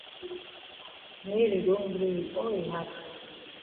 Mary don gree wit all yi heart.